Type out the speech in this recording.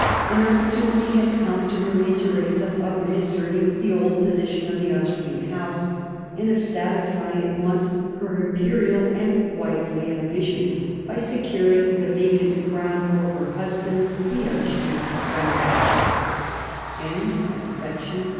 An opportunity had come to Maria Theresa of reasserting the old position of the Austrian House, and of satisfying at once her Imperial and wifely ambition by securing 1743 45 WAR OF SUCCESSION 35 the vacant crown for her husband, the Archduke Francis, For a moment Pruss